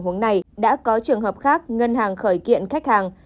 các ngân hàng này đã có trường hợp khác ngân hàng khởi kiện khách hàng